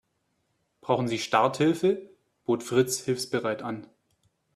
"Brauchen Sie Starthilfe?", bot Fritz hilfsbereit an.